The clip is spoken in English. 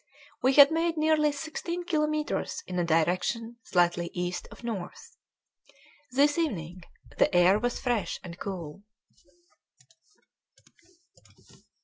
We had made nearly sixteen kilometres in a direction slightly east of north. This evening the air was fresh and cool.